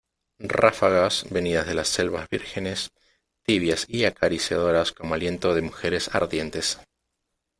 ráfagas venidas de las selvas vírgenes , tibias y acariciadoras como aliento de mujeres ardientes ,